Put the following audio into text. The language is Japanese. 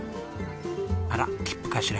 あら切符かしら？